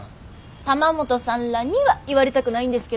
玉本さんらには言われたくないんですけどね。